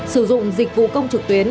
sử dụng dịch vụ công trực tuyến